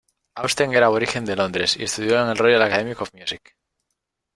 Austen era aborigen de Londres, y estudió en el Royal Academy of Music.